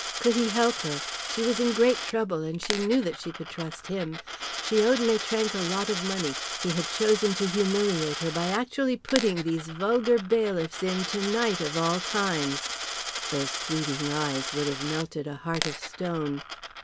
Could he help her. She was in great trouble, and she knew that she could trust him. She owed Maitrank a lot of money; he had chosen to humiliate her by actually putting these vulgar bailiffs in tonight, of all times. Those pleading eyes would have melted a heart of stone.